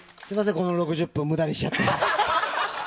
この６０分無駄にしちゃって。